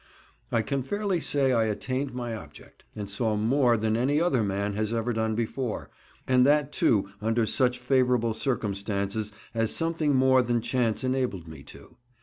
I can fairly say I attained my object, and saw more than any other man has ever done before, and that too under such favourable circumstances as something more than chance enabled me to.